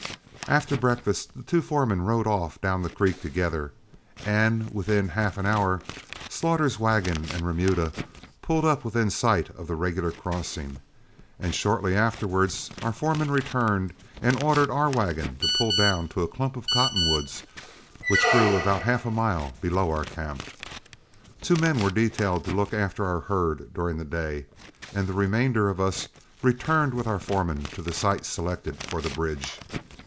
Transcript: After breakfast, the two foremen rode off down the creek together, and within half an hour Slaughter's wagon and remuda pulled up within sight of the regular crossing, and shortly afterwards our foreman returned, and ordered our wagon to pull down to a clump of cotton woods which grew about half a mile below our camp. Two men were detailed to look after our herd during the day, and the remainder of us returned with our foreman to the site selected for the bridge.